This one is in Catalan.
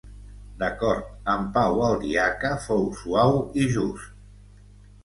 D'acord amb Pau el Diaca, fou suau i just.